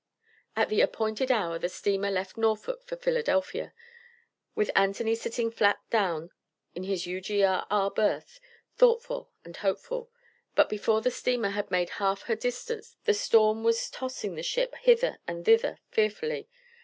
At the appointed hour the steamer left Norfolk for Philadelphia, with Anthony sitting flat down in his U.G.R.R. berth, thoughtful and hopeful. But before the steamer had made half her distance the storm was tossing the ship hither and thither fearfully.